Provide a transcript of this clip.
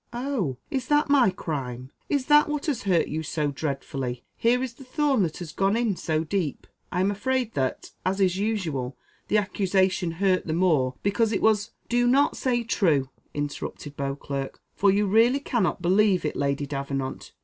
"Oh! is that my crime? Is that, what has hurt you so dreadfully? Here is the thorn that has gone in so deep! I am afraid that, as is usual, the accusation hurt the more because it was " "Do not say 'true,'" interrupted Beauclerc, "for you really cannot believe it, Lady Davenant.